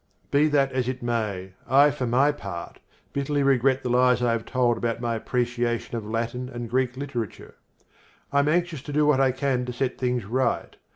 Be this as it may, I for my part bitterly regret the lies I have told about my appreciation of Latin and Greek literature. I am anxious to do what I can to set things right.